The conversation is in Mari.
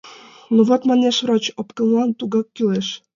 — Ну, вот, — манеш врач, — опкынлан тугак кӱлеш.